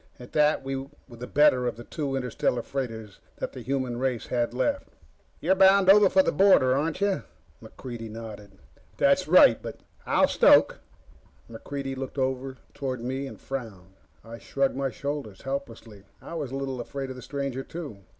At that, we were the better of the two interstellar freighters the human race had left. "You're bound over the border, aren't you?" MacReidie nodded. "That's right. But " "I'll stoke." MacReidie looked over toward me and frowned. I shrugged my shoulders helplessly. I was a little afraid of the stranger, too.